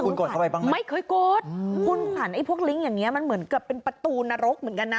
ถูกต้องไม่เคยกดคุณขันไอ้พวกลิงก์อย่างนี้มันเหมือนเป็นประตูนรกเหมือนกันนะ